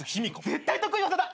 絶対得意技だ。